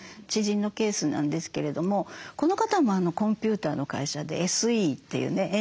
知人のケースなんですけれどもこの方もコンピューターの会社でＳＥっていうね